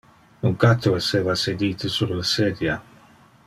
Un catto esseva sedite sur le sedia.